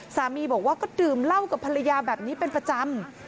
สามีบอกว่าก็ดื่มเหล้ากับภรรยาแบบนี้เป็นประจำ